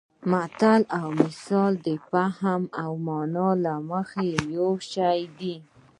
متل او مثل د مفهوم او مانا له مخې یو شی دي